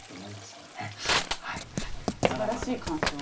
すばらしい鑑賞。